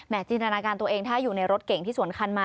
จินตนาการตัวเองถ้าอยู่ในรถเก่งที่สวนคันมา